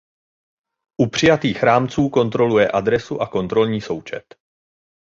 U přijatých rámců kontroluje adresu a kontrolní součet.